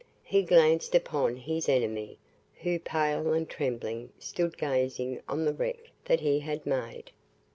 He glanced upon his enemy, who pale and trembling, stood gazing on the wreck that he had made.